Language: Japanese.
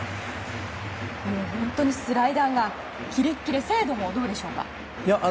本当にスライダーがキレキレで精度はどうでしょう？